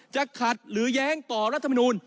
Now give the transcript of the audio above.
จะขัดหรือยังไง